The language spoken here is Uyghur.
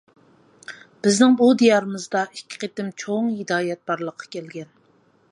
بىزنىڭ بۇ دىيارىمىزدا ئىككى قېتىم چوڭ ھىدايەت بارلىققا كەلگەن.